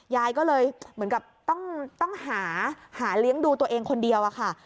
ยายก็เลยเหมือนกับต้องหาหาเลี้ยงดูตัวเองคนเดียวอะค่ะ